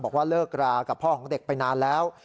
บอกว่าเลิกรากับพ่อของเด็กไปนานแล้ว